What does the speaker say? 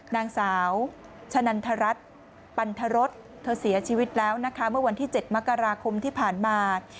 นางสาวชะนันทรัศน์ปันทรศเธอเสียชีวิตแล้วนะคะเมื่อวันที่๗มกราคมที่ผ่านมา